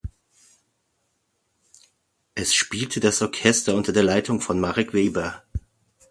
Es spielte das Orchester unter der Leitung von Marek Weber.